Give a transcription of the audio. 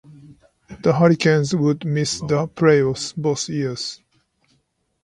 The Hurricanes would miss the playoffs both years.